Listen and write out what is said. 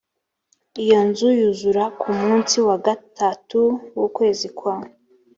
iyo nzu yuzura ku munsi wa gatatu w ukwezi kwa